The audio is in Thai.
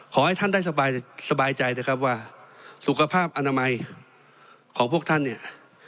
ขอให้ท่านได้สบายใจนะครับว่าสุขภาพอนามัยของพวกท่านเนี่ย